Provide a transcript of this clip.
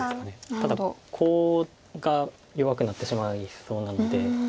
ただコウが弱くなってしまいそうなので。